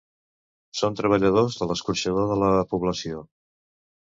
Són treballadors de l’escorxador de la població.